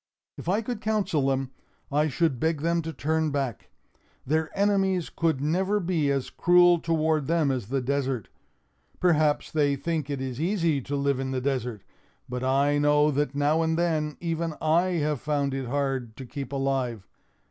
"If I could counsel them, I should beg them to turn back. Their enemies could never be as cruel toward them as the desert. Perhaps they think it is easy to live in the desert! But I know that, now and then, even I have found it hard to keep alive.